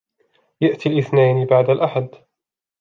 يأتي الاثنين بعد الأحد.